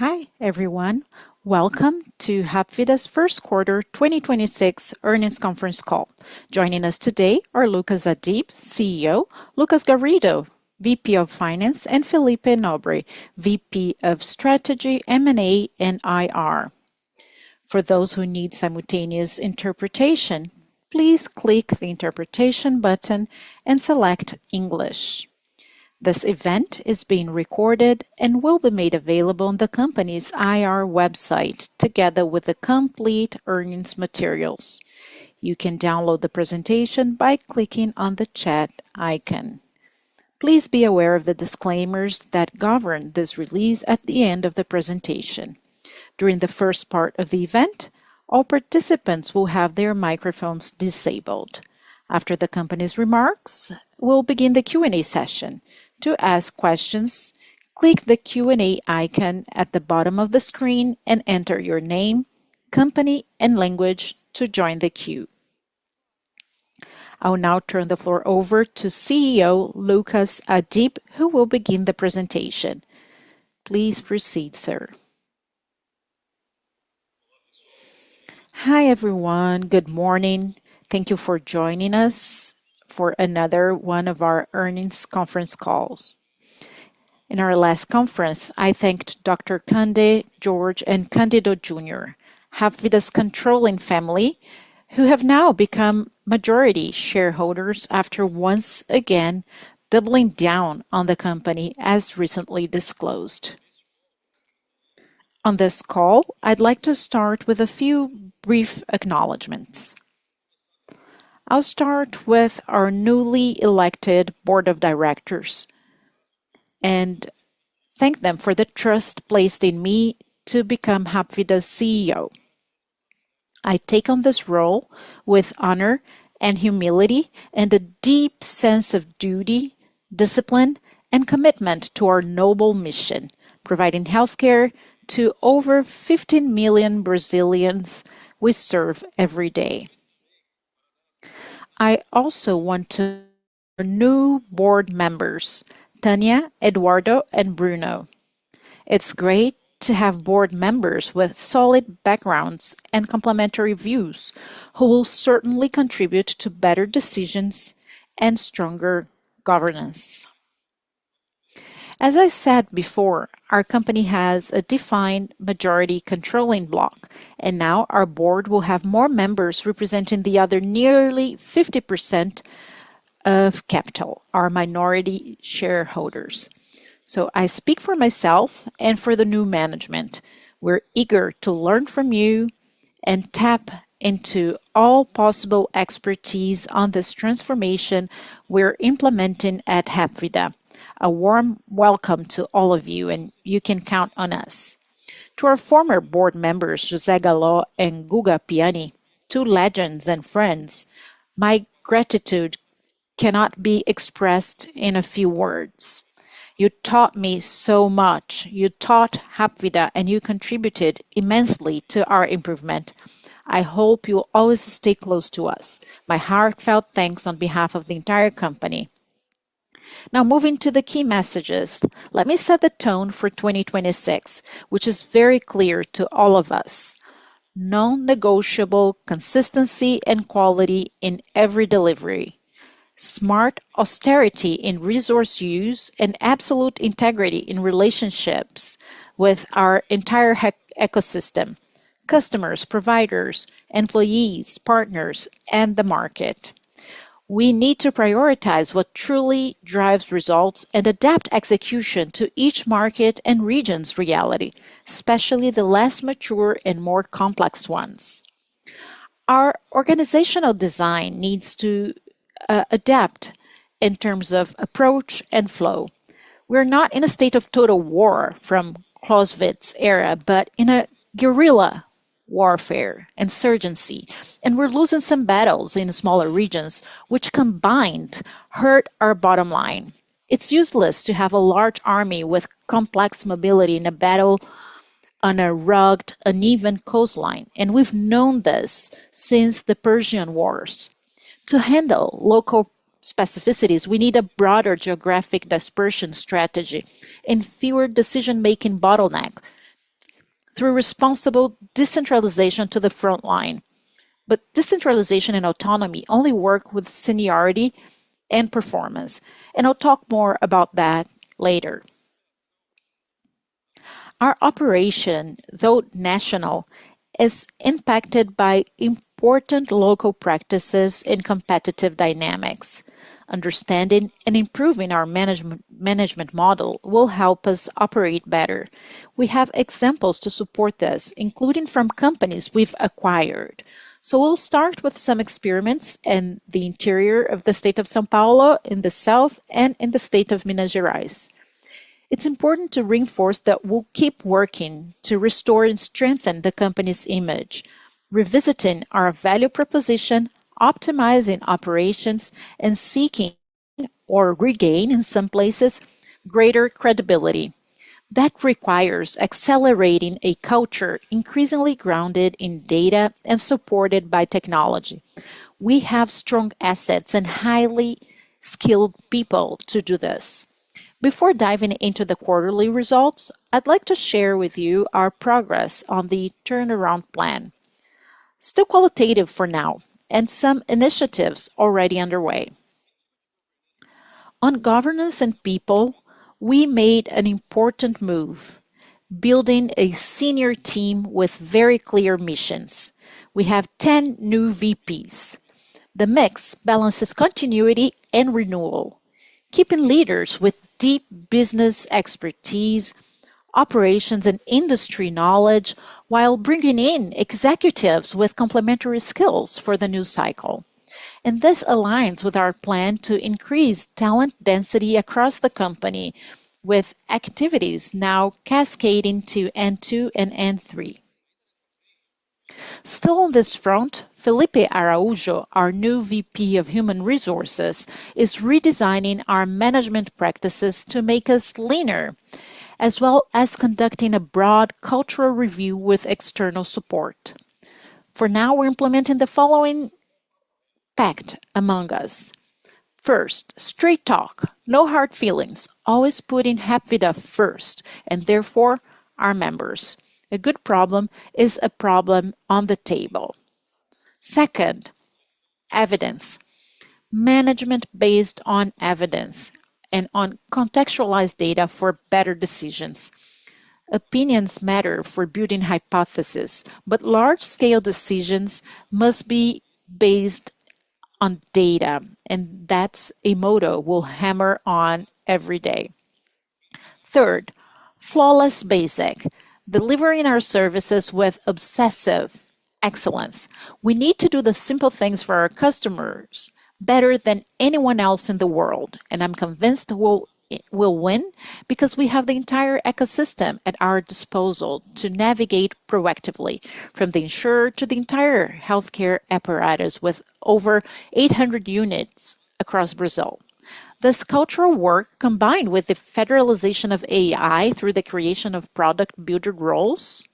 Hi, everyone. Welcome to Hapvida's first quarter 2026 earnings conference call. Joining us today are Luccas Adib, CEO; Lucas Garrido, VP of Finance; and Felipe Nobre, VP of Strategy, M&A, and IR. For those who need simultaneous interpretation, please click the interpretation button and select English. This event is being recorded and will be made available on the company's IR website together with the complete earnings materials. You can download the presentation by clicking on the chat icon. Please be aware of the disclaimers that govern this release at the end of the presentation. During the first part of the event, all participants will have their microphones disabled. After the company's remarks, we'll begin the Q&A session. To ask questions, click the Q&A icon at the bottom of the screen and enter your name, company, and language to join the queue. I will now turn the floor over to CEO Luccas Adib, who will begin the presentation. Please proceed, sir. Hi, everyone. Good morning. Thank you for joining us for another one of our earnings conference calls. In our last conference, I thanked Dr. Candi, Jorge, and Candido Júnior, Hapvida's controlling family, who have now become majority shareholders after once again doubling down on the company as recently disclosed. On this call, I'd like to start with a few brief acknowledgments. I'll start with our newly elected Board of Directors and thank them for the trust placed in me to become Hapvida's CEO. I take on this role with honor and humility and a deep sense of duty, discipline, and commitment to our noble mission, providing healthcare to over 15 million Brazilians we serve every day. I also want to thank our new Board members, Tania, Eduardo, and Bruno. It's great to have board members with solid backgrounds and complementary views who will certainly contribute to better decisions and stronger governance. Now our board will have more members representing the other nearly 50% of capital, our minority shareholders. I speak for myself and for the new management. We're eager to learn from you and tap into all possible expertise on this transformation we're implementing at Hapvida. A warm welcome to all of you. You can count on us. To our former board members, José Galló and Guga Piani, two legends and friends, my gratitude cannot be expressed in a few words. You taught me so much. You taught Hapvida. You contributed immensely to our improvement. I hope you'll always stay close to us. My heartfelt thanks on behalf of the entire company. Moving to the key messages, let me set the tone for 2026, which is very clear to all of us. Non-negotiable consistency and quality in every delivery, smart austerity in resource use, and absolute integrity in relationships with our entire ecosystem, customers, providers, employees, partners, and the market. We need to prioritize what truly drives results and adapt execution to each market and region's reality, especially the less mature and more complex ones. Our organizational design needs to adapt in terms of approach and flow. We're not in a state of total war from Clausewitz's era, but in a guerrilla warfare insurgency, and we're losing some battles in smaller regions which combined hurt our bottom line. It's useless to have a large army with complex mobility in a battle on a rugged, uneven coastline, and we've known this since the Persian Wars. To handle local specificities, we need a broader geographic dispersion strategy and fewer decision-making bottleneck through responsible decentralization to the front line. Decentralization and autonomy only work with seniority and performance, and I'll talk more about that later. Our operation, though national, is impacted by important local practices and competitive dynamics. Understanding and improving our management model will help us operate better. We have examples to support this, including from companies we've acquired. We'll start with some experiments in the interior of the state of São Paulo, in the south, and in the state of Minas Gerais. It's important to reinforce that we'll keep working to restore and strengthen the company's image, revisiting our value proposition, optimizing operations, and seeking, or regain in some places, greater credibility. That requires accelerating a culture increasingly grounded in data and supported by technology. We have strong assets and highly skilled people to do this. Before diving into the quarterly results, I'd like to share with you our progress on the turnaround plan. Still qualitative for now, some initiatives already underway. On governance and people, we made an important move building a senior team with very clear missions. We have 10 new VPs. The mix balances continuity and renewal, keeping leaders with deep business expertise, operations, and industry knowledge, while bringing in executives with complementary skills for the new cycle. This aligns with our plan to increase talent density across the company with activities now cascading to N2 and N3. Still on this front, Felipe Araújo, our new VP of Human Resources, is redesigning our management practices to make us leaner, as well as conducting a broad cultural review with external support. For now, we're implementing the following pact among us. First, straight talk, no hard feelings. Always putting Hapvida first and therefore our members. A good problem is a problem on the table. Second, evidence. Management based on evidence and on contextualized data for better decisions. Opinions matter for building hypothesis, but large-scale decisions must be based on data, and that's a motto we'll hammer on every day. Third, flawless basic. Delivering our services with obsessive excellence. We need to do the simple things for our customers better than anyone else in the world, and I'm convinced we'll win because we have the entire ecosystem at our disposal to navigate proactively from the insurer to the entire healthcare apparatus with over 800 units across Brazil. This cultural work, combined with the federalization of AI through the creation of product builder roles.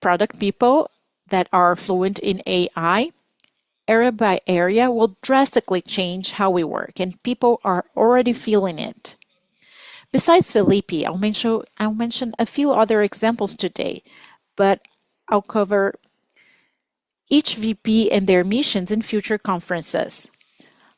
Product people that are fluent in AI area by area will drastically change how we work, and people are already feeling it. Besides Felipe, I'll mention a few other examples today. I'll cover each VP and their missions in future conferences.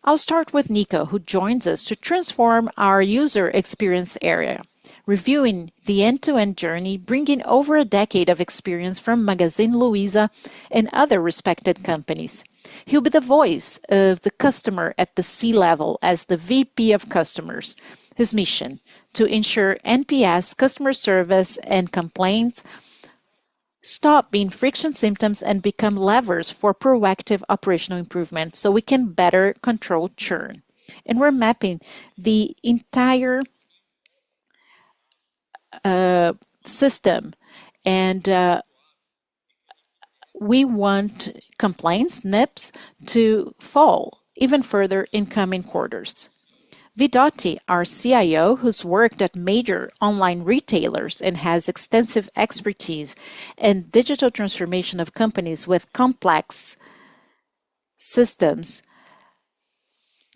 I'll start with Nico, who joins us to transform our user experience area, reviewing the end-to-end journey, bringing over a decade of experience from Magazine Luiza and other respected companies. He'll be the voice of the customer at the C-level as the VP of customers. His mission: to ensure NPS customer service and complaints stop being friction symptoms and become levers for proactive operational improvement so we can better control churn. We're mapping the entire system and we want complaints, NPS to fall even further in coming quarters. Vidotti, our CIO, who's worked at major online retailers and has extensive expertise in digital transformation of companies with complex systems,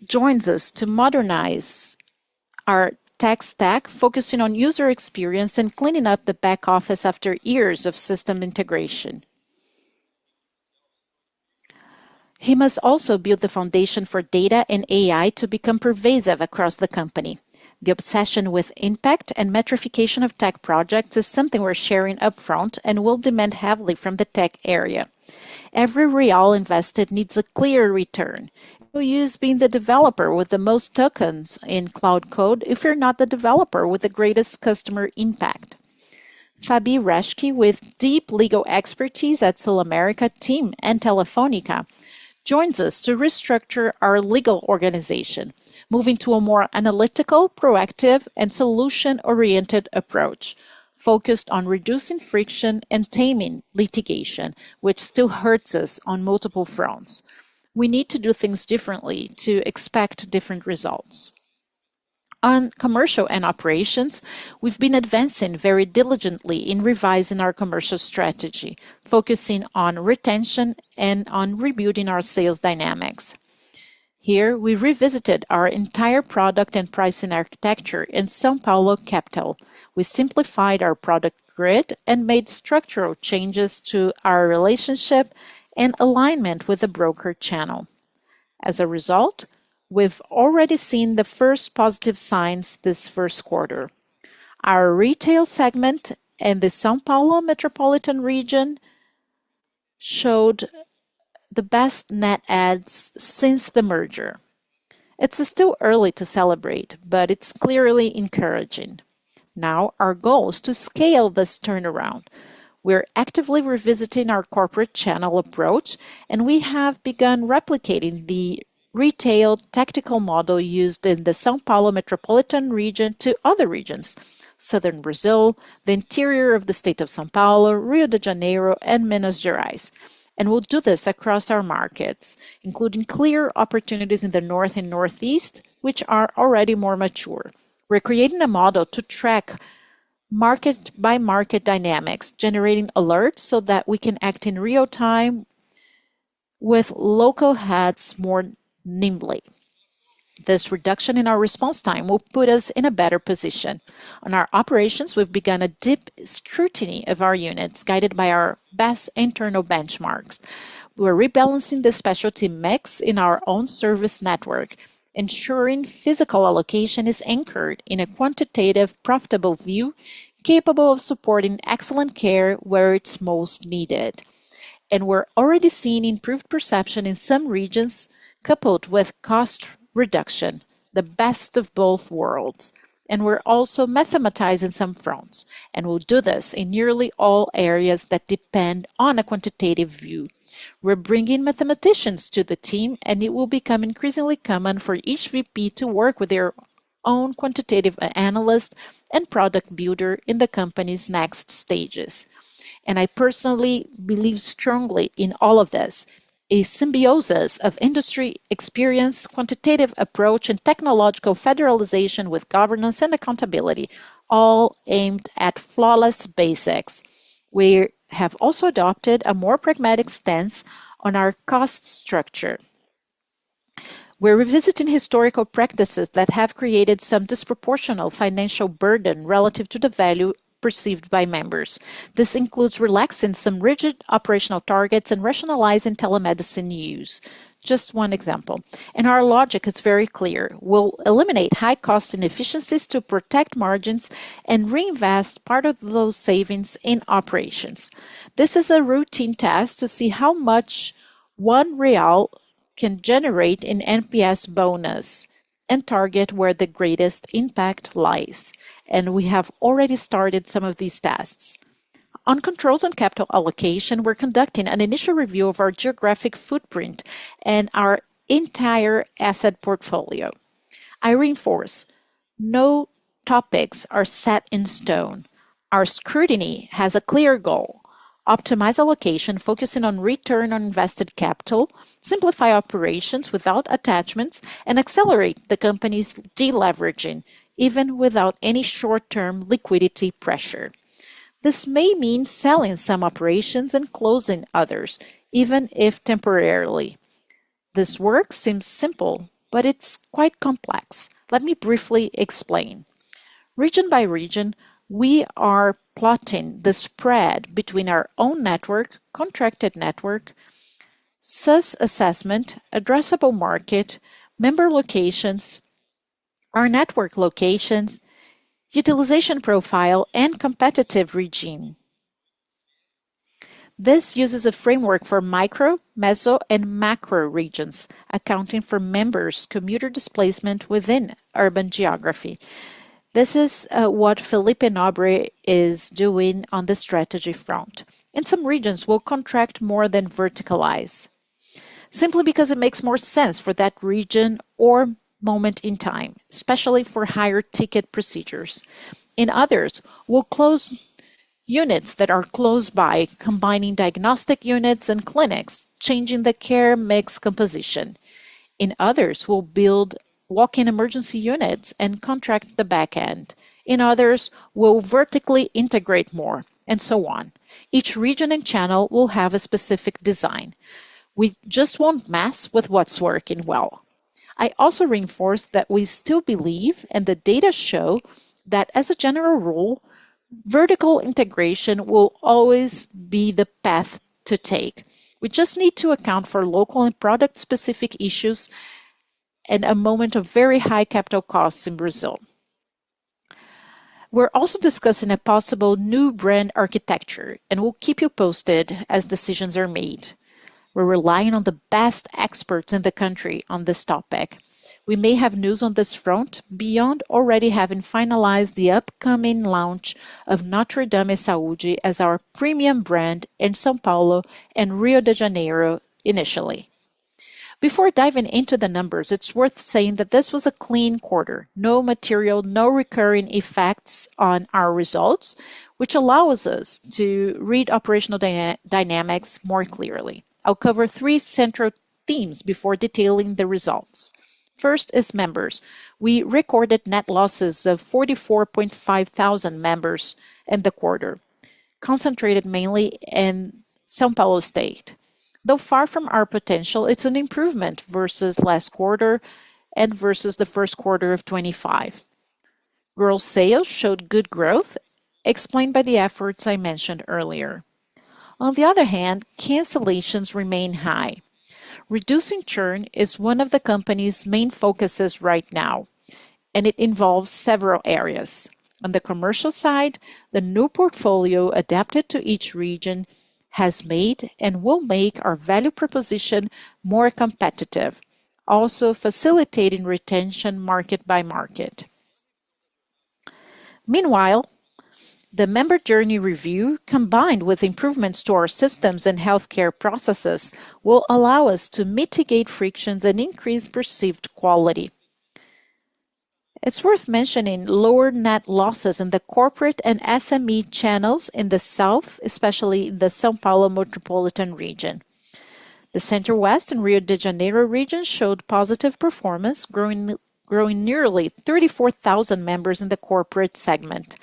joins us to modernize our tech stack, focusing on user experience and cleaning up the back office after years of system integration. He must also build the foundation for data and AI to become pervasive across the company. The obsession with impact and metrification of tech projects is something we're sharing upfront and will demand heavily from the tech area. Every real invested needs a clear return. No use being the developer with the most tokens in cloud code if you're not the developer with the greatest customer impact. Fabi Reschke, with deep legal expertise at SulAmérica team and Telefônica, joins us to restructure our legal organization, moving to a more analytical, proactive, and solution-oriented approach focused on reducing friction and taming litigation, which still hurts us on multiple fronts. We need to do things differently to expect different results. On commercial and operations, we've been advancing very diligently in revising our commercial strategy, focusing on retention and on rebuilding our sales dynamics. Here, we revisited our entire product and pricing architecture in São Paulo capital. We simplified our product grid and made structural changes to our relationship and alignment with the broker channel. As a result, we've already seen the first positive signs this first quarter. Our retail segment in the São Paulo Metropolitan region showed the best net adds since the merger. It's still early to celebrate, but it's clearly encouraging. Now our goal is to scale this turnaround. We're actively revisiting our corporate channel approach, and we have begun replicating the retail tactical model used in the São Paulo Metropolitan region to other regions: Southern Brazil, the interior of the state of São Paulo, Rio de Janeiro, and Minas Gerais. We'll do this across our markets, including clear opportunities in the north and northeast, which are already more mature. We're creating a model to track market-by-market dynamics, generating alerts so that we can act in real time with local hats more nimbly. This reduction in our response time will put us in a better position. On our operations, we've begun a deep scrutiny of our units, guided by our best internal benchmarks. We're rebalancing the specialty mix in our own service network, ensuring physical allocation is anchored in a quantitative, profitable view, capable of supporting excellent care where it's most needed. We're already seeing improved perception in some regions coupled with cost reduction, the best of both worlds. We're also mathematizing some fronts, and we'll do this in nearly all areas that depend on a quantitative view. We're bringing mathematicians to the team, and it will become increasingly common for each VP to work with their own quantitative analyst and product builder in the company's next stages. I personally believe strongly in all of this. A symbiosis of industry experience, quantitative approach, and technological federalization with governance and accountability, all aimed at flawless basics. We have also adopted a more pragmatic stance on our cost structure. We're revisiting historical practices that have created some disproportional financial burden relative to the value perceived by members. This includes relaxing some rigid operational targets and rationalizing telemedicine use. Just one example. Our logic is very clear. We'll eliminate high cost inefficiencies to protect margins and reinvest part of those savings in operations. This is a routine test to see how much 1 real can generate an NPS bonus and target where the greatest impact lies. We have already started some of these tests. On controls and capital allocation, we're conducting an initial review of our geographic footprint and our entire asset portfolio. I reinforce, no topics are set in stone. Our scrutiny has a clear goal: optimize allocation, focusing on return on invested capital, simplify operations without attachments, and accelerate the company's deleveraging, even without any short-term liquidity pressure. This may mean selling some operations and closing others, even if temporarily. This work seems simple, but it's quite complex. Let me briefly explain. Region by region, we are plotting the spread between our own network, contracted network, SUS assessment, addressable market, member locations, our network locations, utilization profile, and competitive regime. This uses a framework for micro, meso, and macro regions, accounting for members' commuter displacement within urban geography. This is what Felipe Nobre is doing on the strategy front. In some regions, we'll contract more than verticalize simply because it makes more sense for that region or moment in time, especially for higher-ticket procedures. In others, we'll close units that are close by combining diagnostic units and clinics, changing the care mix composition. In others, we'll build walk-in emergency units and contract the back end. In others, we'll vertically integrate more, and so on. Each region and channel will have a specific design. We just won't mess with what's working well. I also reinforce that we still believe, and the data show, that as a general rule, vertical integration will always be the path to take. We just need to account for local and product-specific issues in a moment of very high capital costs in Brazil. We're also discussing a possible new brand architecture, and we'll keep you posted as decisions are made. We're relying on the best experts in the country on this topic. We may have news on this front beyond already having finalized the upcoming launch of NotreDame Saúde as our premium brand in São Paulo and Rio de Janeiro initially. Before diving into the numbers, it's worth saying that this was a clean quarter. No material, no recurring effects on our results, which allows us to read operational dynamics more clearly. I'll cover three central themes before detailing the results. First is members. We recorded net losses of 44,500 members in the quarter, concentrated mainly in São Paulo State. Though far from our potential, it's an improvement versus last quarter and versus the first quarter of 2025. Rural sales showed good growth, explained by the efforts I mentioned earlier. On the other hand, cancellations remain high. Reducing churn is one of the company's main focuses right now, and it involves several areas. On the commercial side, the new portfolio adapted to each region has made and will make our value proposition more competitive, also facilitating retention market by market. Meanwhile, the member journey review, combined with improvements to our systems and healthcare processes, will allow us to mitigate frictions and increase perceived quality. It's worth mentioning lower net losses in the corporate and SME channels in the south, especially the São Paulo metropolitan region. The Center-West and Rio de Janeiro region showed positive performance, growing nearly 34,000 members in the corporate segment.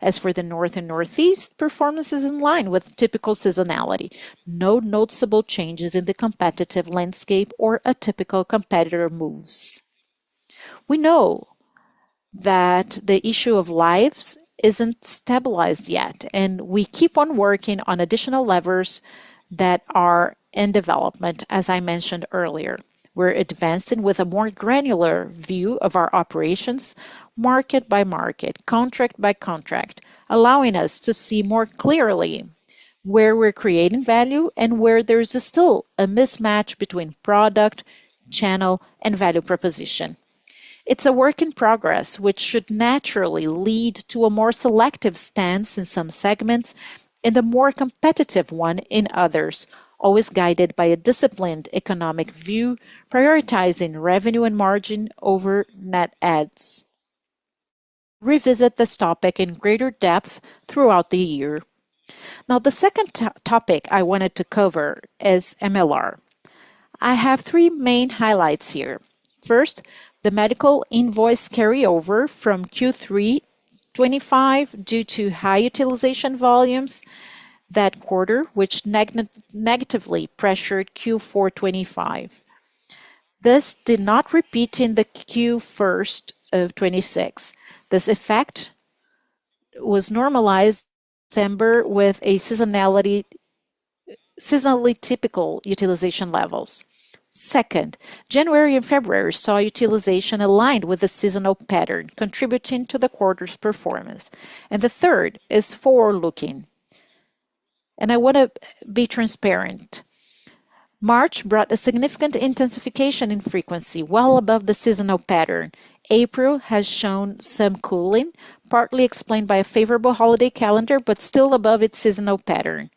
As for the North and Northeast, performance is in line with typical seasonality. No noticeable changes in the competitive landscape or atypical competitor moves. We know that the issue of lives isn't stabilized yet. We keep on working on additional levers that are in development, as I mentioned earlier. We're advancing with a more granular view of our operations market by market, contract by contract, allowing us to see more clearly where we're creating value and where there is still a mismatch between product, channel, and value proposition. It's a work in progress, which should naturally lead to a more selective stance in some segments and a more competitive one in others, always guided by a disciplined economic view, prioritizing revenue and margin over net adds. Revisit this topic in greater depth throughout the year. The second topic I wanted to cover is MLR. I have three main highlights here. First, the medical invoice carryover from Q3 2025 due to high utilization volumes that quarter, which negatively pressured Q4 2025. This did not repeat in the Q first of 2026. This effect was normalized September with a seasonally typical utilization levels. Second, January and February saw utilization aligned with the seasonal pattern, contributing to the quarter's performance. The third is forward-looking, and I wanna be transparent. March brought a significant intensification in frequency, well above the seasonal pattern. April has shown some cooling, partly explained by a favorable holiday calendar, but still above its seasonal pattern.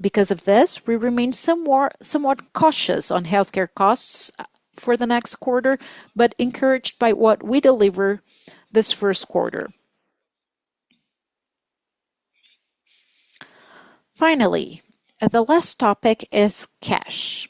Because of this, we remain somewhat cautious on healthcare costs for the next quarter, but encouraged by what we deliver this first quarter. Finally, the last topic is cash.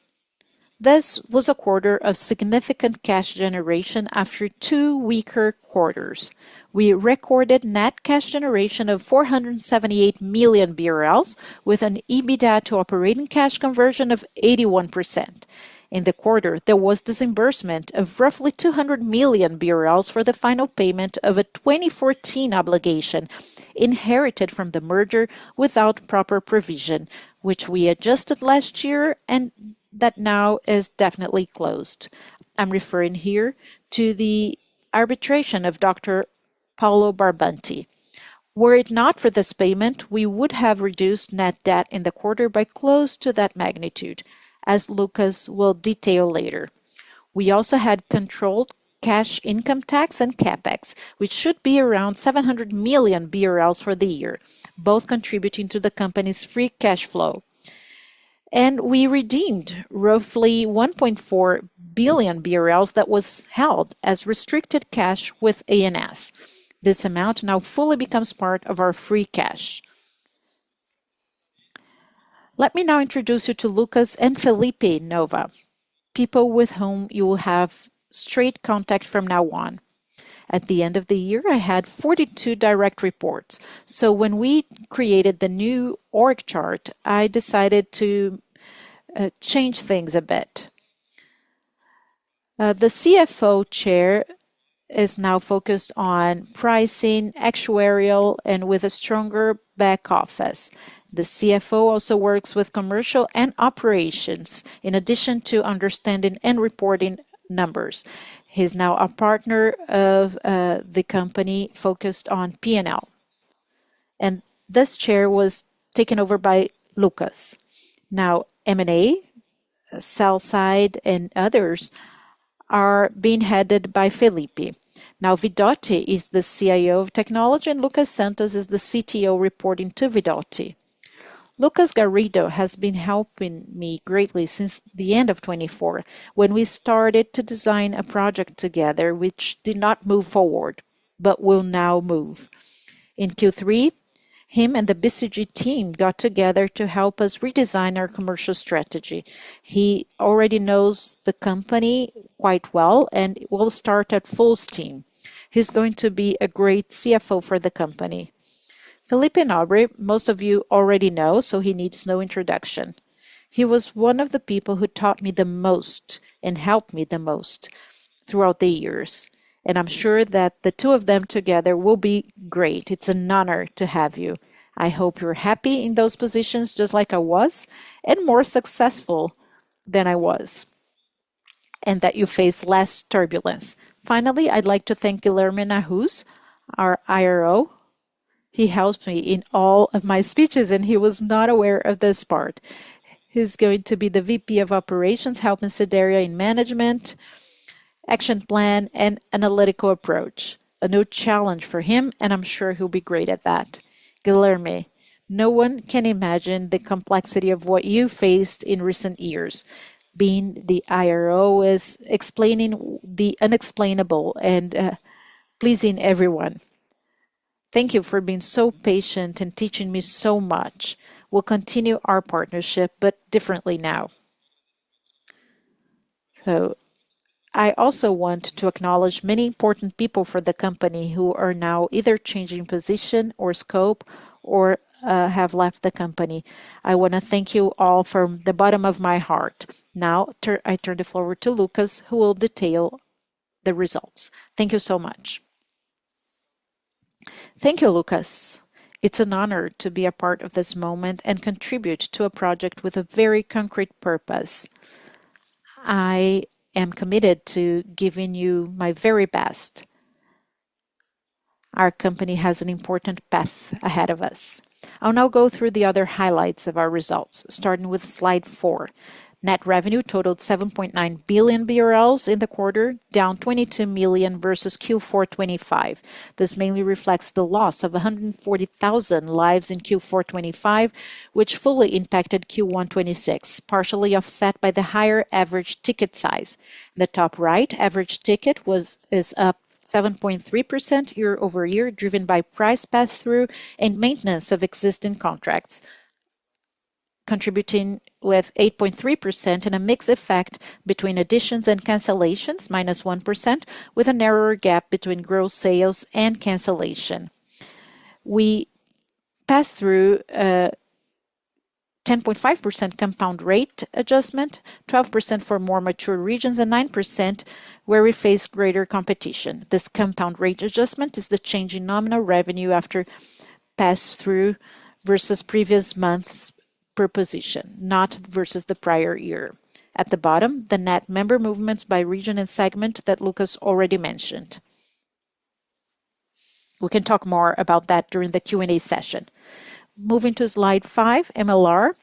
This was a quarter of significant cash generation after two weaker quarters. We recorded net cash generation of 478 million BRL with an EBITDA to operating cash conversion of 81%. In the quarter, there was disbursement of roughly 200 million BRL for the final payment of a 2014 obligation inherited from the merger without proper provision, which we adjusted last year, and that now is definitely closed. I'm referring here to the arbitration of Dr. Paulo Barbanti. Were it not for this payment, we would have reduced net debt in the quarter by close to that magnitude, as Lucas will detail later. We also had controlled cash income tax and CapEx, which should be around 700 million BRL for the year, both contributing to the company's free cash flow. We redeemed roughly 1.4 billion BRL that was held as restricted cash with ANS. This amount now fully becomes part of our free cash. Let me now introduce you to Lucas and Felipe Nobre, people with whom you will have straight contact from now on. At the end of the year, I had 42 direct reports. When we created the new org chart, I decided to change things a bit. The CFO chair is now focused on pricing, actuarial, and with a stronger back office. The CFO also works with commercial and operations in addition to understanding and reporting numbers. He's now a partner of the company focused on P&L. This chair was taken over by Lucas. M&A, sell side, and others are being headed by Felipe. Gustavo Vidotti is the CIO of technology, and Lucas Santos is the CTO reporting to Gustavo Vidotti. Lucas Garrido has been helping me greatly since the end of 2024 when we started to design a project together, which did not move forward, but will now move. In Q3, him and the BCG team got together to help us redesign our commercial strategy. He already knows the company quite well and will start at full steam. He's going to be a great CFO for the company. Felipe Nobre, most of you already know, he needs no introduction. He was one of the people who taught me the most and helped me the most throughout the years. I'm sure that the two of them together will be great. It's an honor to have you. I hope you're happy in those positions, just like I was, and more successful than I was, and that you face less turbulence. Finally, I'd like to thank Guilherme Nahuz, our IRO. He helped me in all of my speeches. He was not aware of this part. He's going to be the VP of Operations, helping Cidéria Costa in management, action plan, and analytical approach. A new challenge for him. I'm sure he'll be great at that. Guilherme Nahuz, no one can imagine the complexity of what you faced in recent years. Being the IRO is explaining the unexplainable and pleasing everyone. Thank you for being so patient and teaching me so much. We'll continue our partnership, but differently now. I also want to acknowledge many important people for the company who are now either changing position or scope or have left the company. I wanna thank you all from the bottom of my heart. Now I turn the floor to Lucas Garrido, who will detail the results. Thank you so much. Thank you, Luccas. It's an honor to be a part of this moment and contribute to a project with a very concrete purpose. I am committed to giving you my very best. Our company has an important path ahead of us. I'll now go through the other highlights of our results, starting with slide four. Net revenue totaled 7.9 billion BRL in the quarter, down 22 million versus Q4 2025. This mainly reflects the loss of 140,000 lives in Q4 2025, which fully impacted Q1 2026, partially offset by the higher average ticket size. In the top right, average ticket is up 7.3% year-over-year, driven by price pass-through and maintenance of existing contracts, contributing with 8.3% and a mix effect between additions and cancellations, minus 1%, with a narrower gap between gross sales and cancellation. We pass through 10.5% compound rate adjustment, 12% for more mature regions, and 9% where we face greater competition. This compound rate adjustment is the change in nominal revenue after pass-through versus previous months per position, not versus the prior year. At the bottom, the net member movements by region and segment that Luccas already mentioned. We can talk more about that during the Q&A session. Moving to slide five, MLR.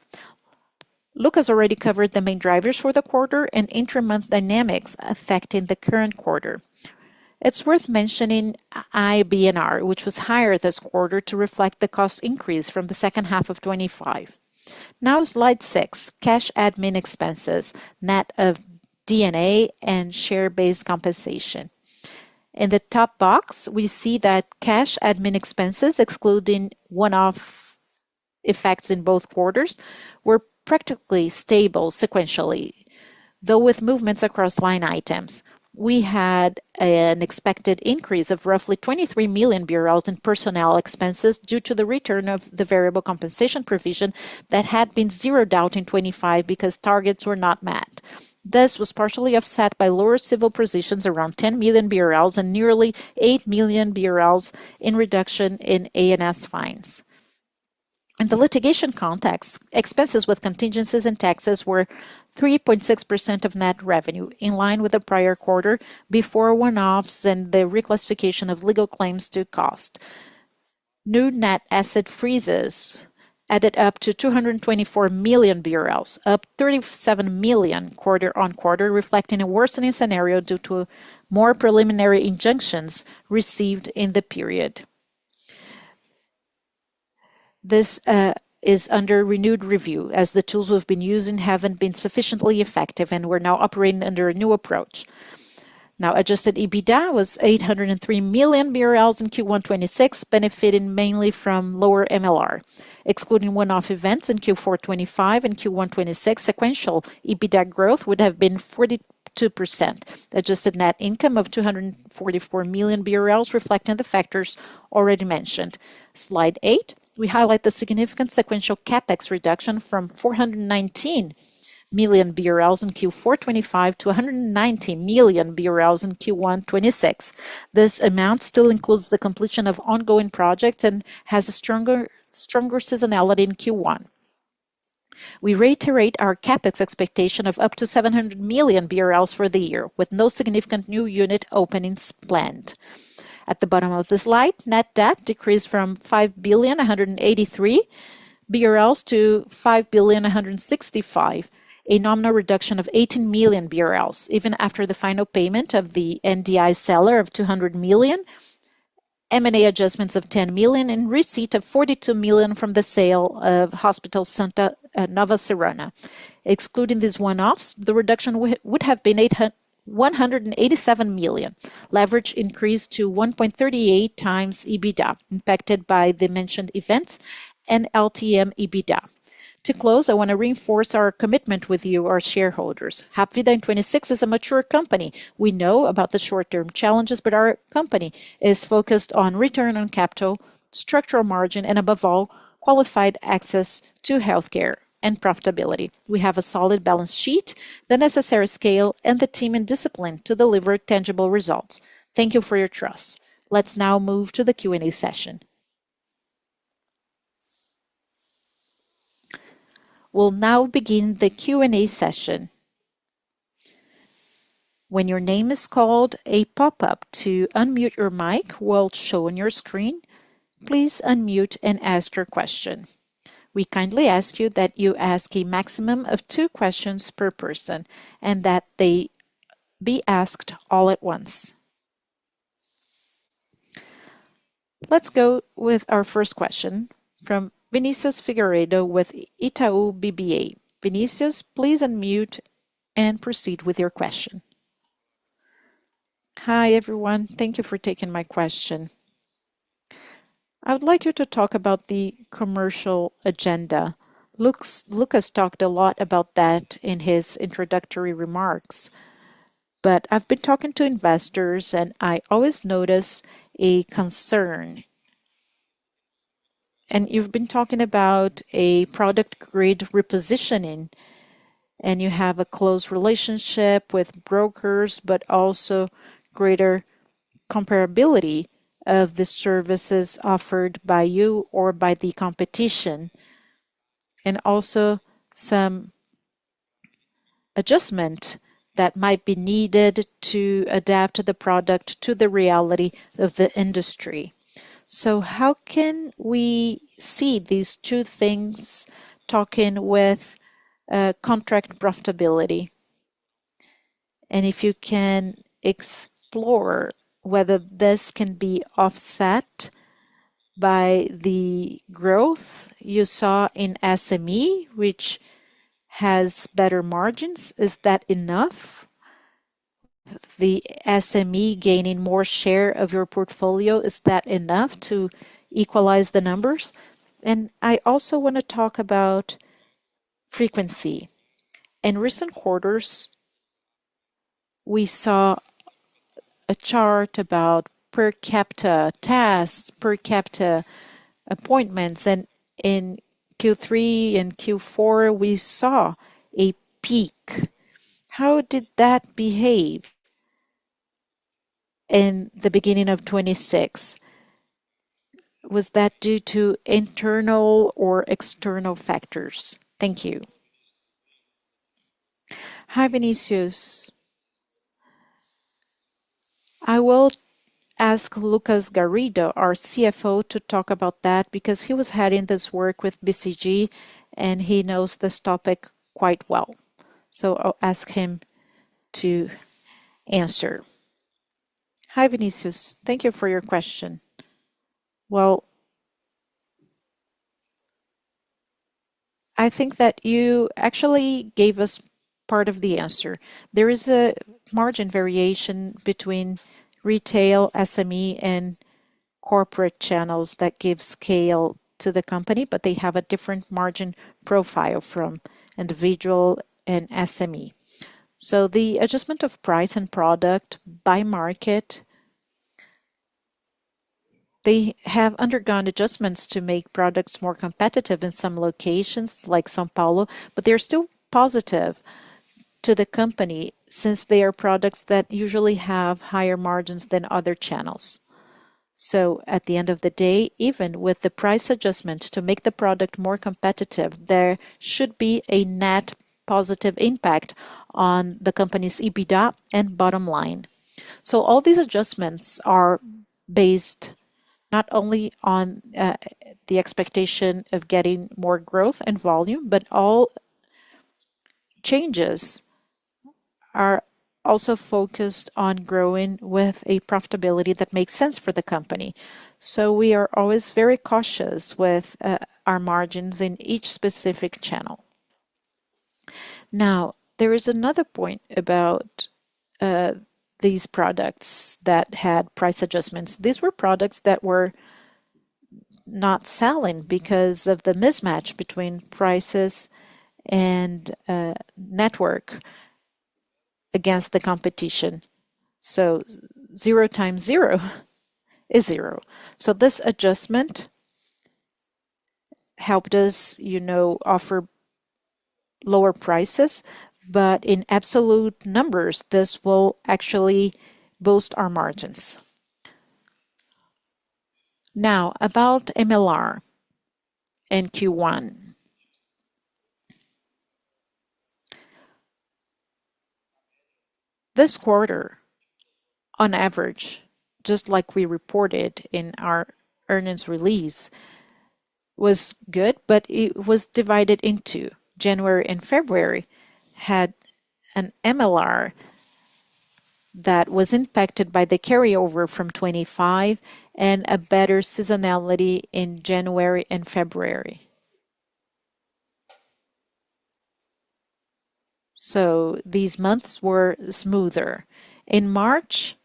Luccas already covered the main drivers for the quarter and inter-month dynamics affecting the current quarter. It's worth mentioning IBNR, which was higher this quarter to reflect the cost increase from the second half of 2025. Slide six, cash admin expenses, net of D&A and share-based compensation. In the top box, we see that cash admin expenses, excluding one-off effects in both quarters, were practically stable sequentially. Though with movements across line items, we had an expected increase of roughly 23 million BRL in personnel expenses due to the return of the variable compensation provision that had been zeroed out in 2025 because targets were not met. This was partially offset by lower civil positions around 10 million BRL and nearly 8 million BRL in reduction in ANS fines. In the litigation context, expenses with contingencies in taxes were 3.6% of net revenue, in line with the prior quarter before one-offs and the reclassification of legal claims to cost. New net asset freezes added up to 224 million BRL, up 37 million quarter-on-quarter, reflecting a worsening scenario due to more preliminary injunctions received in the period. This is under renewed review as the tools we've been using haven't been sufficiently effective, and we're now operating under a new approach. Adjusted EBITDA was 803 million BRL in Q1 2026, benefiting mainly from lower MLR. Excluding one-off events in Q4 2025 and Q1 2026, sequential EBITDA growth would have been 42%. Adjusted net income of 244 million BRL reflecting the factors already mentioned. Slide eight, we highlight the significant sequential CapEx reduction from 419 million BRL in Q4 2025 to 190 million BRL in Q1 2026. This amount still includes the completion of ongoing projects and has a stronger seasonality in Q1. We reiterate our CapEx expectation of up to 700 million BRL for the year, with no significant new unit openings planned. At the bottom of the slide, net debt decreased from 5.183 billion-5.165 billion BRL, a nominal reduction of 18 million BRL, even after the final payment of the NDI seller of 200 million, M&A adjustments of 10 million, and receipt of 42 million from the sale of Hospital Santa Mônica de Nova Serrana. Excluding these one-offs, the reduction would have been 187 million. Leverage increased to 1.38x EBITDA, impacted by the mentioned events and LTM EBITDA. To close, I want to reinforce our commitment with you, our shareholders. Hapvida in 2026 is a mature company. We know about the short-term challenges, our company is focused on return on capital, structural margin, and above all, qualified access to healthcare and profitability. We have a solid balance sheet, the necessary scale, and the team and discipline to deliver tangible results. Thank you for your trust. Let's now move to the Q&A session. We'll now begin the Q&A session. When your name is called, a pop-up to unmute your mic will show on your screen. Please unmute and ask your question. We kindly ask you that you ask a maximum of two questions per person and that they be asked all at once. Let's go with our first question from Vinicius Figueiredo with Itaú BBA. Vinicius, please unmute and proceed with your question. Hi, everyone. Thank you for taking my question. I would like you to talk about the commercial agenda. Luccas talked a lot about that in his introductory remarks. I've been talking to investors, and I always notice a concern. You've been talking about a product grid repositioning, and you have a close relationship with brokers, but also greater comparability of the services offered by you or by the competition, and also some adjustment that might be needed to adapt the product to the reality of the industry. How can we see these two things talking with contract profitability? If you can explore whether this can be offset by the growth you saw in SME, which has better margins, is that enough? The SME gaining more share of your portfolio, is that enough to equalize the numbers? I also wanna talk about frequency. In recent quarters, we saw a chart about per capita tasks, per capita appointments, and in Q3 and Q4, we saw a peak. How did that behave in the beginning of 2026? Was that due to internal or external factors? Thank you. Hi, Vinicius. I will ask Lucas Garrido, our CFO, to talk about that because he was heading this work with BCG, and he knows this topic quite well. I'll ask him to answer. Hi, Vinicius. Thank you for your question. Well, I think that you actually gave us part of the answer. There is a margin variation between retail, SME, and corporate channels that give scale to the company, but they have a different margin profile from individual and SME. The adjustment of price and product by market, they have undergone adjustments to make products more competitive in some locations, like São Paulo, but they're still positive to the company since they are products that usually have higher margins than other channels. At the end of the day, even with the price adjustments to make the product more competitive, there should be a net positive impact on the company's EBITDA and bottom line. All these adjustments are based not only on the expectation of getting more growth and volume, but all changes are also focused on growing with a profitability that makes sense for the company. We are always very cautious with our margins in each specific channel. Now, there is another point about these products that had price adjustments. These were products that were not selling because of the mismatch between prices and network against the competition. 0 times 0 is 0. This adjustment helped us, you know, offer lower prices. In absolute numbers, this will actually boost our margins. Now, about MLR in Q1. This quarter, on average, just like we reported in our earnings release, was good. It was divided in two. January and February had an MLR that was impacted by the carryover from 2025 and a better seasonality in January and February. These months were smoother. In March,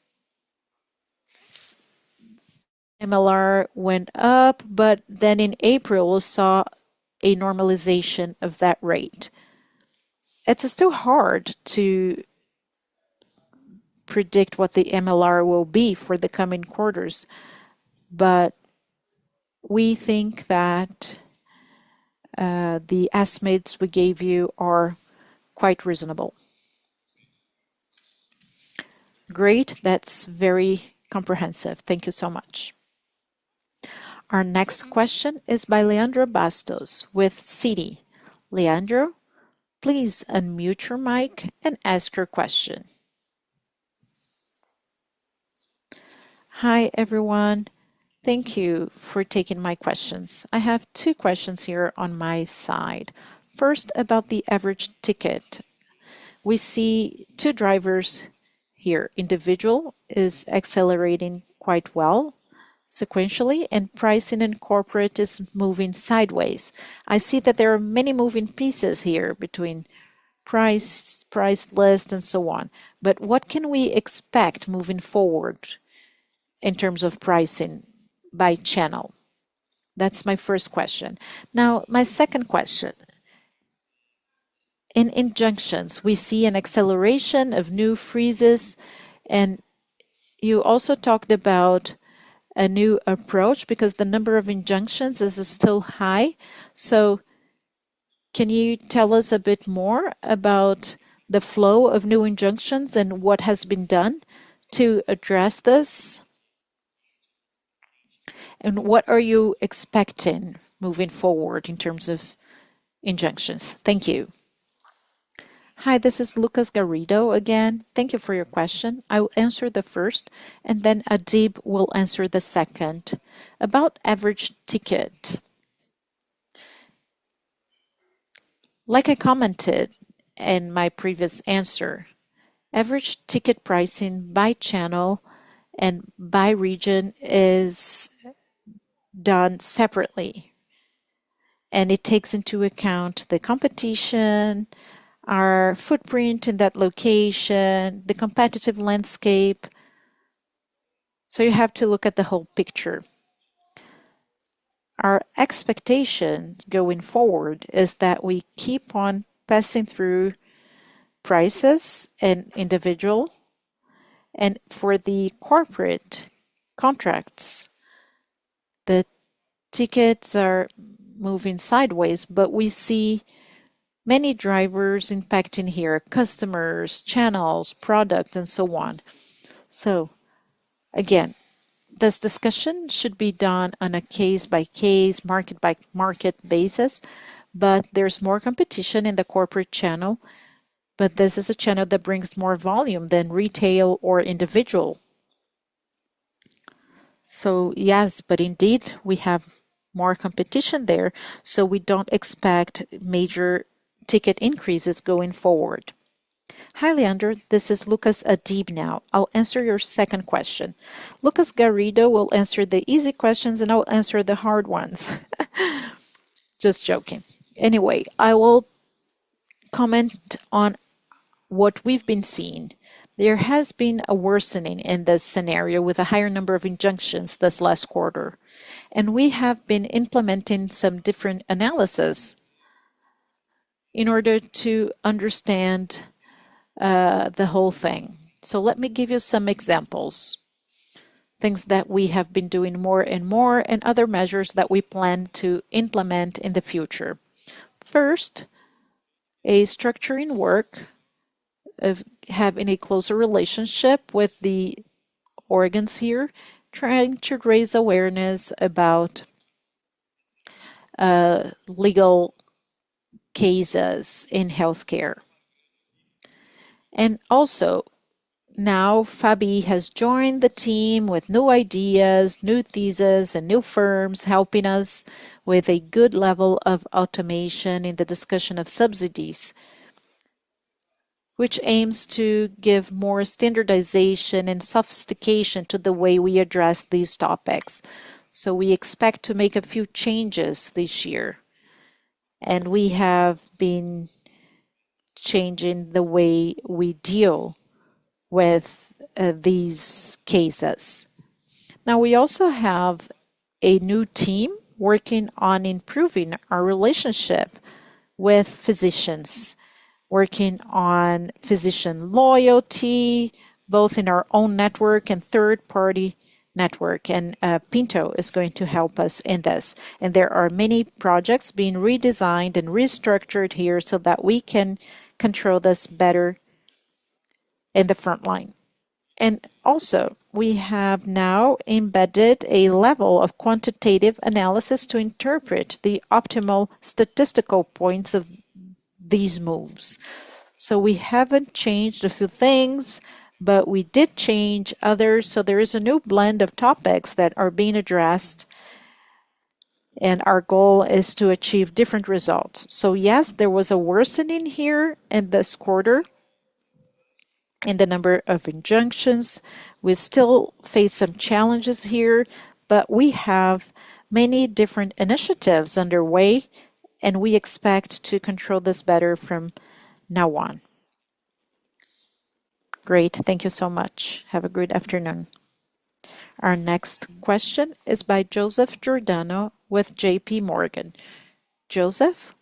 MLR went up. In April, we saw a normalization of that rate. It's still hard to predict what the MLR will be for the coming quarters. We think that the estimates we gave you are quite reasonable. Great. That's very comprehensive. Thank you so much. Our next question is by Leandro Bastos with Citi. Leandro, please unmute your mic and ask your question. Hi, everyone. Thank you for taking my questions. I have two questions here on my side. First, about the average ticket. We see two drivers here. Individual is accelerating quite well. Sequentially, pricing in corporate is moving sideways. I see that there are many moving pieces here between price list, and so on. What can we expect moving forward in terms of pricing by channel? That's my first question. My second question. In injunctions, we see an acceleration of new freezes. You also talked about a new approach because the number of injunctions is still high. Can you tell us a bit more about the flow of new injunctions and what has been done to address this? What are you expecting moving forward in terms of injunctions? Thank you. Hi, this is Lucas Garrido again. Thank you for your question. I will answer the first. Adib will answer the second. About average ticket. Like I commented in my previous answer, average ticket pricing by channel and by region is done separately. It takes into account the competition, our footprint in that location, the competitive landscape. You have to look at the whole picture. Our expectation going forward is that we keep on passing through prices in individual. For the corporate contracts, the tickets are moving sideways. We see many drivers impacting here: customers, channels, products, and so on. Again, this discussion should be done on a case-by-case, market-by-market basis. There's more competition in the corporate channel. This is a channel that brings more volume than retail or individual. Yes, indeed, we have more competition there. We don't expect major ticket increases going forward. Hi, Leandro. This is Luccas Adib now. I'll answer your second question. Lucas Garrido will answer the easy questions, I'll answer the hard ones. Just joking. I will comment on what we've been seeing. There has been a worsening in the scenario with a higher number of injunctions this last quarter, we have been implementing some different analysis in order to understand the whole thing. Let me give you some examples, things that we have been doing more and more and other measures that we plan to implement in the future. First, a structuring work of having a closer relationship with the organs here, trying to raise awareness about legal cases in healthcare. Now, Fabi has joined the team with new ideas, new thesis, and new firms, helping us with a good level of automation in the discussion of subsidies, which aims to give more standardization and sophistication to the way we address these topics. We expect to make a few changes this year, and we have been changing the way we deal with these cases. Now, we also have a new team working on improving our relationship with physicians, working on physician loyalty, both in our own network and third-party network, and Pinto is going to help us in this. There are many projects being redesigned and restructured here so that we can control this better in the front line. We have now embedded a level of quantitative analysis to interpret the optimal statistical points of these moves. We haven't changed a few things, but we did change others. There is a new blend of topics that are being addressed, our goal is to achieve different results. Yes, there was a worsening here in this quarter in the number of injunctions. We still face some challenges here, but we have many different initiatives underway. We expect to control this better from now on. Great. Thank you so much. Have a great afternoon. Our next question is by Joseph Giordano with JPMorgan. Joseph,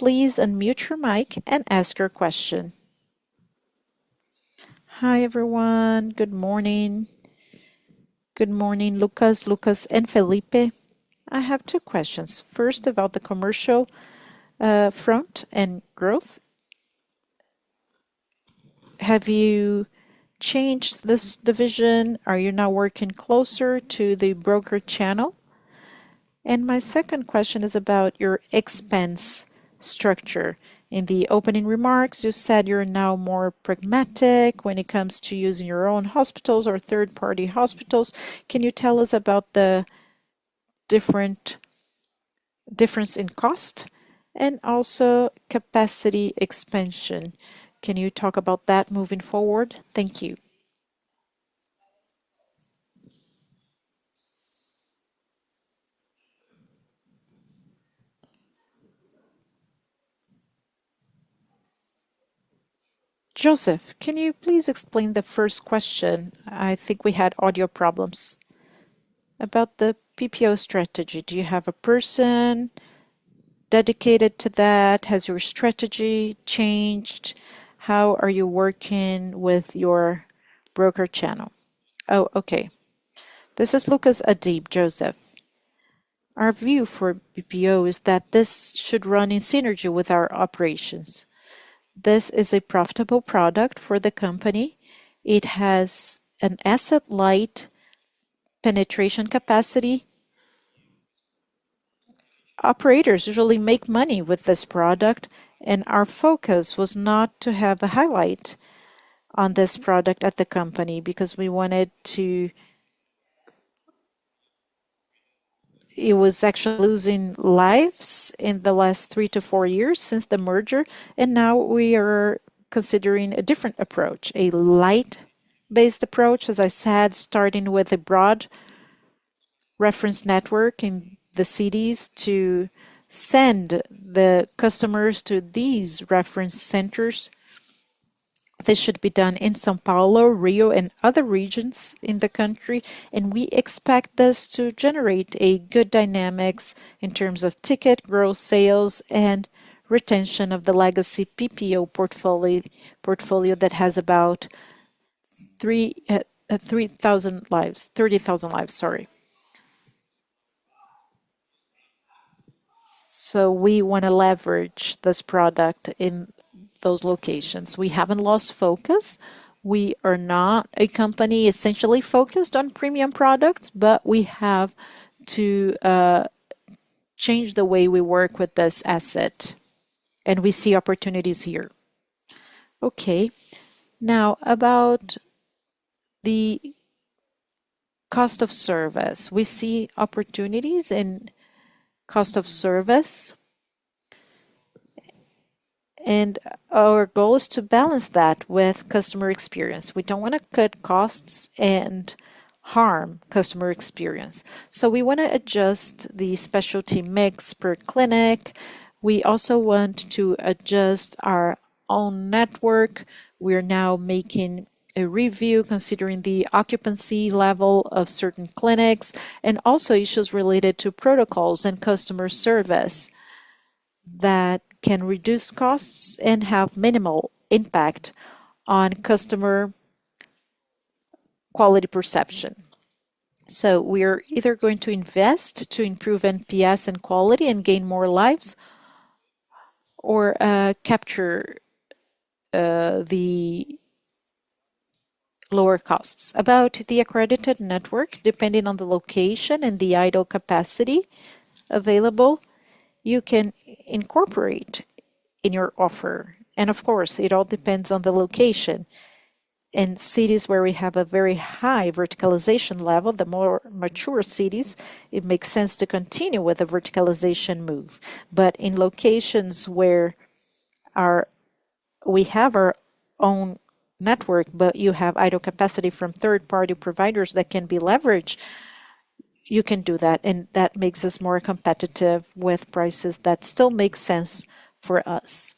please unmute your mic and ask your question. Hi, everyone. Good morning. Good morning, Lucas, and Felipe. I have two questions. First, about the commercial front and growth. Have you changed this division? Are you now working closer to the broker channel? My second question is about your expense structure. In the opening remarks, you said you're now more pragmatic when it comes to using your own hospitals or third-party hospitals. Can you tell us about the Difference in cost and also capacity expansion. Can you talk about that moving forward? Thank you. Joseph, can you please explain the first question? I think we had audio problems. About the PPO strategy, do you have a person dedicated to that? Has your strategy changed? How are you working with your broker channel? Oh, okay. This is Luccas Adib, Joseph. Our view for PPO is that this should run in synergy with our operations. This is a profitable product for the company. It has an asset-light penetration capacity. Operators usually make money with this product. Our focus was not to have a highlight on this product at the company because it was actually losing lives in the last three to four years since the merger. Now we are considering a different approach, a light-based approach, as I said, starting with a broad reference network in the cities to send the customers to these reference centers. This should be done in São Paulo, Rio, and other regions in the country. We expect this to generate a good dynamics in terms of ticket, gross sales, and retention of the legacy PPO portfolio that has about 30,000 lives, sorry. We wanna leverage this product in those locations. We haven't lost focus. We are not a company essentially focused on premium products, but we have to change the way we work with this asset, and we see opportunities here. Okay. Now, about the cost of service. We see opportunities in cost of service. Our goal is to balance that with customer experience. We don't wanna cut costs and harm customer experience. We wanna adjust the specialty mix per clinic. We also want to adjust our own network. We're now making a review considering the occupancy level of certain clinics and also issues related to protocols and customer service that can reduce costs and have minimal impact on customer quality perception. We're either going to invest to improve NPS and quality and gain more lives or capture the lower costs. About the accredited network, depending on the location and the idle capacity available, you can incorporate in your offer. Of course, it all depends on the location. In cities where we have a very high verticalization level, the more mature cities, it makes sense to continue with the verticalization move. In locations where we have our own network, but you have idle capacity from third-party providers that can be leveraged, you can do that, and that makes us more competitive with prices that still make sense for us.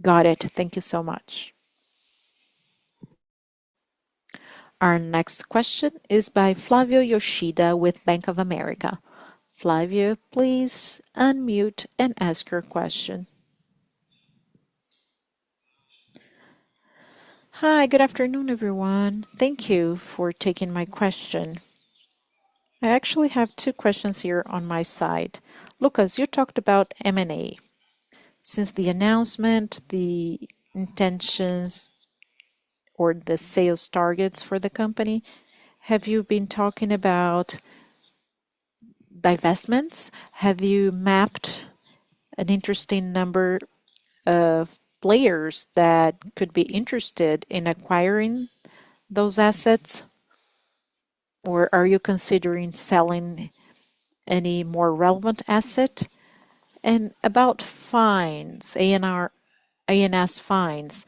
Got it. Thank you so much. Our next question is by Flavio Yoshida with Bank of America. Flavio, please unmute and ask your question. Hi. Good afternoon, everyone. Thank you for taking my question. I actually have two questions here on my side. Luccas, you talked about M&A. Since the announcement, the intentions or the sales targets for the company, have you been talking about divestments? Have you mapped an interesting number of players that could be interested in acquiring those assets? Or are you considering selling any more relevant asset? About fines, ANS fines,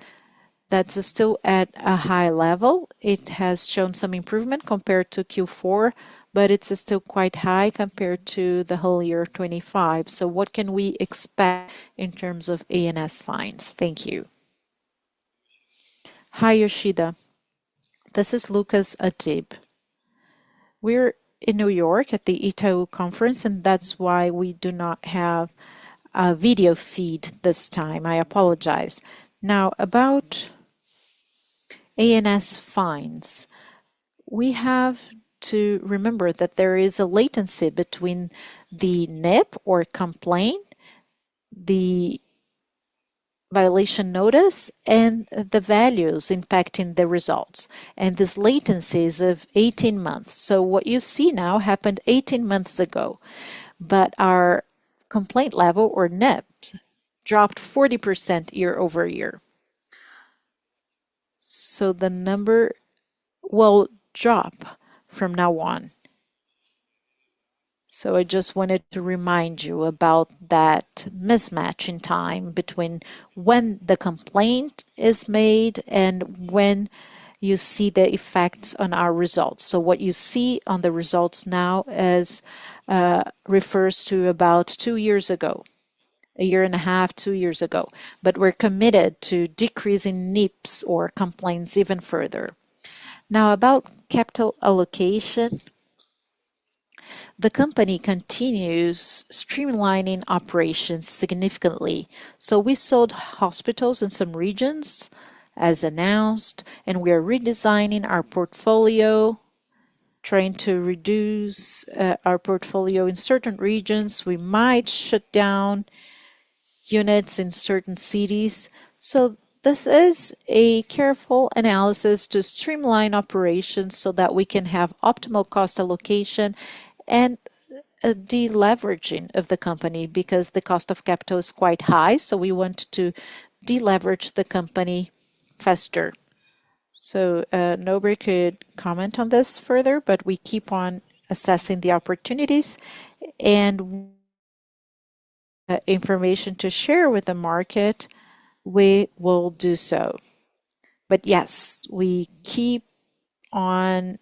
that's still at a high level. It has shown some improvement compared to Q4, but it's still quite high compared to the whole year of 25. What can we expect in terms of ANS fines? Thank you. Hi, Yoshida. This is Luccas Adib. We're in New York at the Itaú conference, and that's why we do not have a video feed this time. I apologize. About ANS fines, we have to remember that there is a latency between the NIP or complaint, the violation notice, and the values impacting the results, and this latency is of 18 months. What you see now happened 18 months ago. Our complaint level or NIP dropped 40% year-over-year. The number will drop from now on. I just wanted to remind you about that mismatch in time between when the complaint is made and when you see the effects on our results. What you see on the results now is, refers to about two years ago, a year and a half, two years ago. We're committed to decreasing NIPs or complaints even further. About capital allocation. The company continues streamlining operations significantly. We sold hospitals in some regions, as announced, and we are redesigning our portfolio, trying to reduce our portfolio in certain regions. We might shut down units in certain cities. This is a careful analysis to streamline operations so that we can have optimal cost allocation and a deleveraging of the company, because the cost of capital is quite high, we want to deleverage the company faster. Nobre could comment on this further, but we keep on assessing the opportunities and information to share with the market, we will do so. Yes, we keep on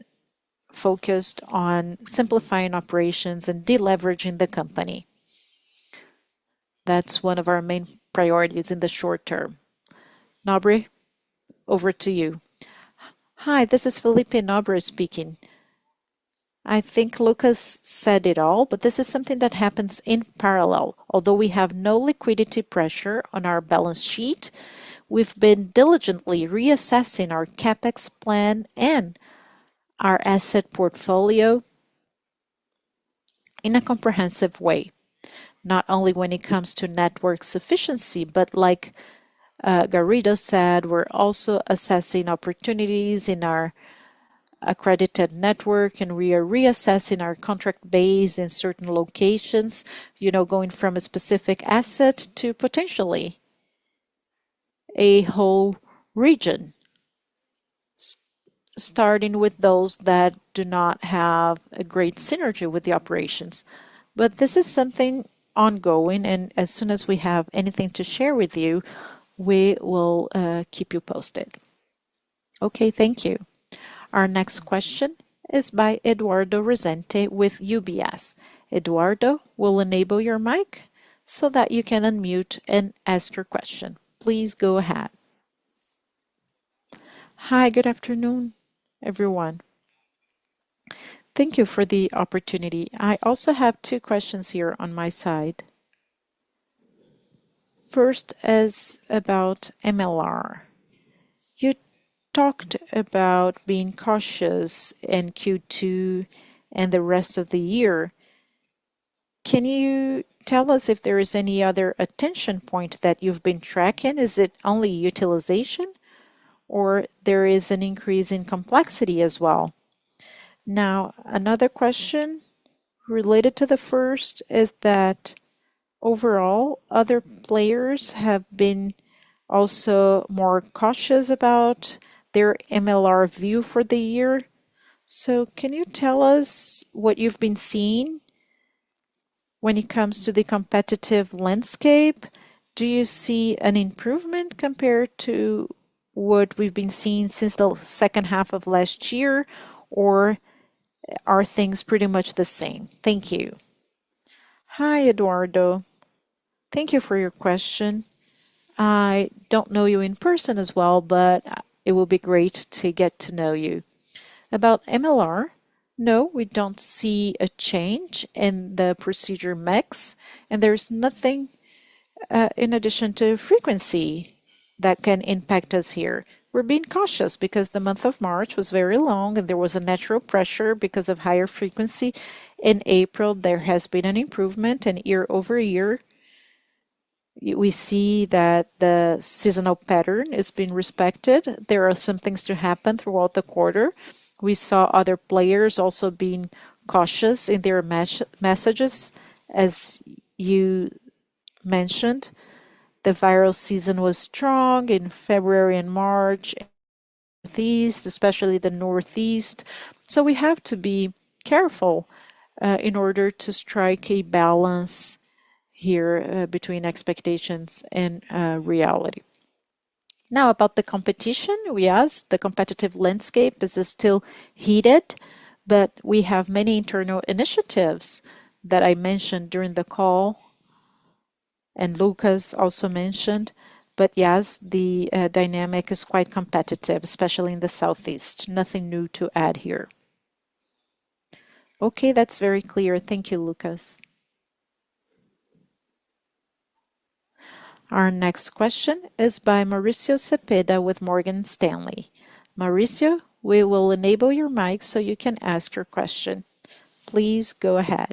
focused on simplifying operations and deleveraging the company. That is one of our main priorities in the short term. Nobre, over to you. Hi, this is Felipe Nobre speaking. I think Luccas said it all, but this is something that happens in parallel. Although we have no liquidity pressure on our balance sheet, we've been diligently reassessing our CapEx plan and our asset portfolio in a comprehensive way, not only when it comes to network sufficiency, but like Garrido said, we're also assessing opportunities in our accredited network, and we are reassessing our contract base in certain locations. You know, going from a specific asset to potentially a whole region, starting with those that do not have a great synergy with the operations. This is something ongoing, and as soon as we have anything to share with you, we will keep you posted. Okay, thank you. Our next question is by Eduardo Resende with UBS. Eduardo, we'll enable your mic so that you can unmute and ask your question. Please go ahead. Hi. Good afternoon, everyone. Thank you for the opportunity. I also have two questions here on my side. First is about MLR. You talked about being cautious in Q2 and the rest of the year. Can you tell us if there is any other attention point that you've been tracking? Is it only utilization, or there is an increase in complexity as well? Another question related to the first is that overall, other players have been also more cautious about their MLR view for the year. Can you tell us what you've been seeing when it comes to the competitive landscape? Do you see an improvement compared to what we've been seeing since the second half of last year, or are things pretty much the same? Thank you. Hi, Eduardo. Thank you for your question. I don't know you in person as well, but it will be great to get to know you. About MLR, no, we don't see a change in the procedure mix. There's nothing in addition to frequency that can impact us here. We're being cautious because the month of March was very long. There was a natural pressure because of higher frequency. In April, there has been an improvement. Year-over-year, we see that the seasonal pattern is being respected. There are some things to happen throughout the quarter. We saw other players also being cautious in their messages, as you mentioned. The viral season was strong in February and March, especially the Northeast. We have to be careful in order to strike a balance here between expectations and reality. About the competition. The competitive landscape is still heated, but we have many internal initiatives that I mentioned during the call and Lucas also mentioned. Yes, the dynamic is quite competitive, especially in the Southeast. Nothing new to add here. Okay, that's very clear. Thank you, Luccas. Our next question is by Mauricio Cepeda with Morgan Stanley. Mauricio, we will enable your mic so you can ask your question. Please go ahead.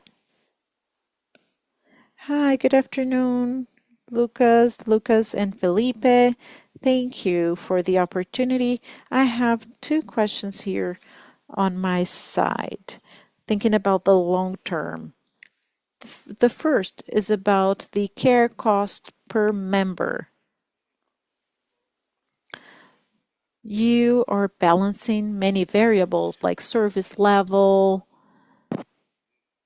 Hi, good afternoon, Luccas, and Felipe. Thank you for the opportunity. I have two questions here on my side. Thinking about the long term. The first is about the care cost per member. You are balancing many variables like service level,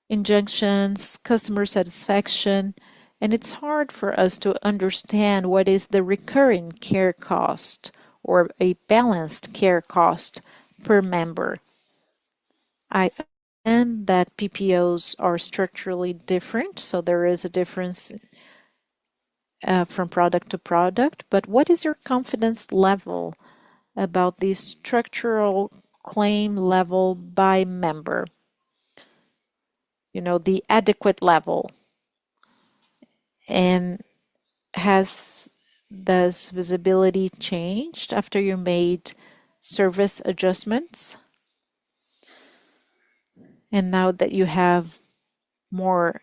injunctions, customer satisfaction, and it's hard for us to understand what is the recurring care cost or a balanced care cost per member. I. That PPOs are structurally different, so there is a difference from product to product. What is your confidence level about the structural claim level by member? You know, the adequate level. Has this visibility changed after you made service adjustments? Now that you have more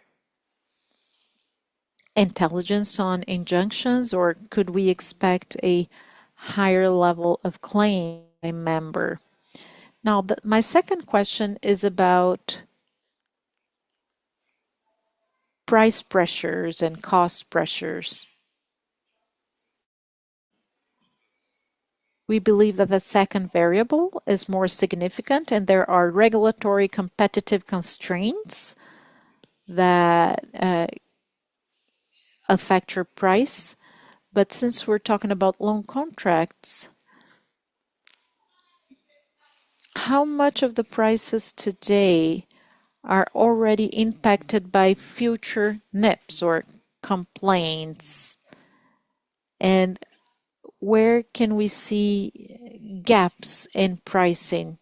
intelligence on injunctions, or could we expect a higher level of claims per member? My second question is about price pressures and cost pressures. We believe that the second variable is more significant, there are regulatory competitive constraints that affect your price. Since we're talking about long contracts, how much of the prices today are already impacted by future NIPs or complaints? Where can we see gaps in pricing?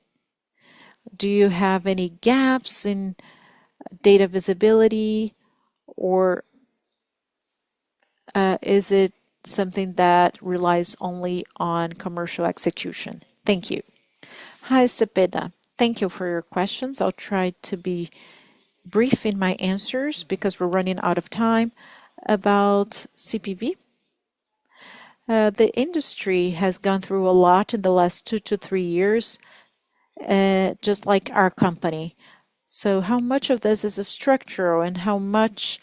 Do you have any gaps in data visibility or is it something that relies only on commercial execution? Thank you. Hi, Cepeda. Thank you for your questions. I'll try to be brief in my answers because we're running out of time about CPV. The industry has gone through a lot in the last two to three years, just like our company. How much of this is a structural and how much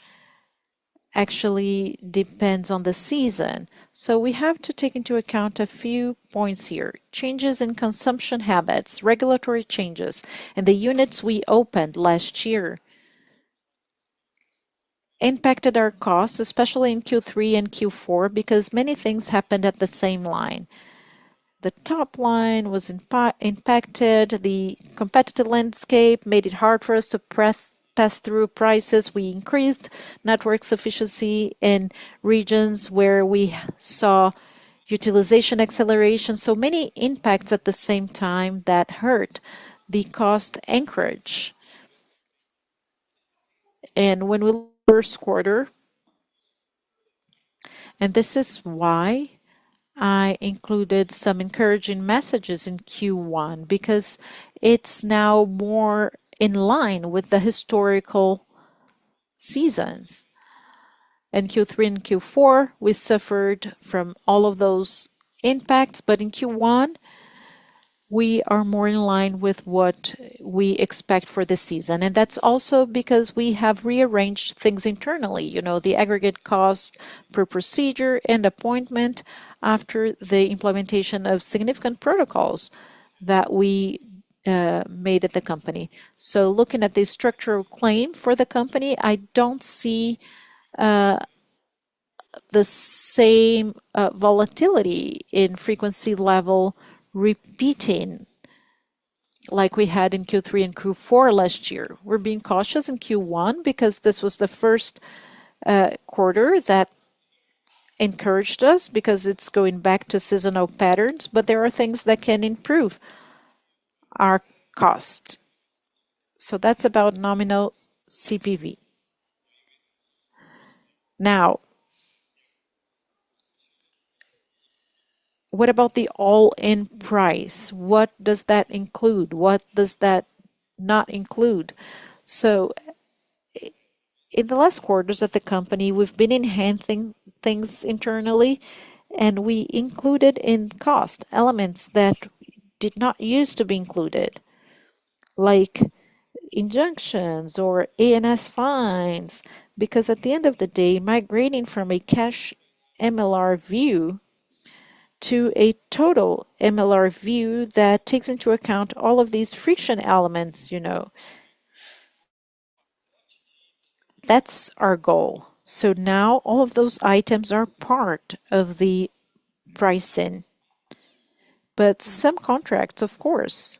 actually depends on the season? We have to take into account a few points here. Changes in consumption habits, regulatory changes, and the units we opened last year impacted our costs, especially in Q3 and Q4, because many things happened at the same line. The top line was impacted. The competitive landscape made it hard for us to pre-pass through prices. We increased network sufficiency in regions where we saw utilization acceleration. Many impacts at the same time that hurt the cost anchorage. First quarter, and this is why I included some encouraging messages in Q1, because it's now more in line with the historical seasons. In Q3 and Q4, we suffered from all of those impacts, but in Q1, we are more in line with what we expect for the season. That's also because we have rearranged things internally, you know, the aggregate cost per procedure and appointment after the implementation of significant protocols that we made at the company. Looking at the structural claim for the company, I don't see the same volatility in frequency level repeating like we had in Q3 and Q4 last year. We're being cautious in Q1 because this was the first quarter that encouraged us because it's going back to seasonal patterns, but there are things that can improve our cost. That's about nominal CPV. Now, what about the all-in price? What does that include? What does that not include? In the last quarters at the company, we've been enhancing things internally, and we included in cost elements that did not used to be included, like injunctions or ANS fines, because at the end of the day, migrating from a cash MLR view to a total MLR view that takes into account all of these friction elements, you know, that's our goal. Now all of those items are part of the pricing. Some contracts, of course,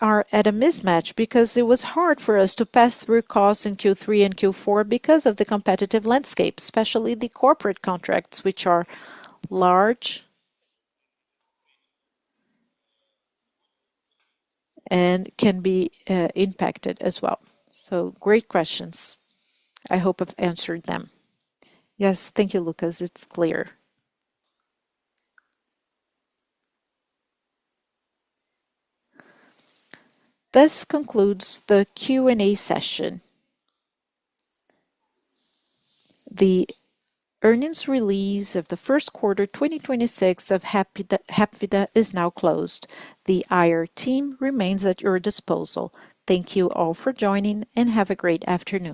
are at a mismatch because it was hard for us to pass through costs in Q3 and Q4 because of the competitive landscape, especially the corporate contracts, which are large and can be impacted as well. Great questions. I hope I've answered them. Yes. Thank you, Luccas. It's clear. This concludes the Q&A session. The earnings release of the first quarter 2026 of Hapvida is now closed. The IR team remains at your disposal. Thank you all for joining, and have a great afternoon.